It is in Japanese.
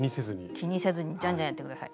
気にせずにじゃんじゃんやって下さい。